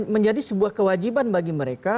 menjadi sebuah kewajiban bagi mereka